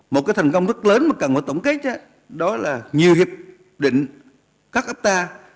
một cái thành công rất lớn mà cần phải tổng kết đó là nhiều hiệp định các ấp ta